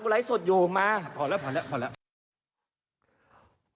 ผู้ชายที่คล้ายคนเมาคนนี้